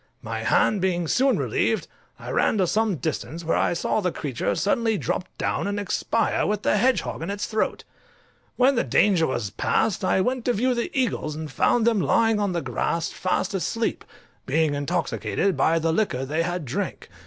My hand being soon relieved, I ran to some distance, where I saw the creature suddenly drop down and expire with the hedgehog in its throat. When the danger was past I went to view the eagles, and found them lying on the grass fast asleep, being intoxicated with the liquor they had drank.